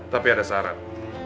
tapi ada syarat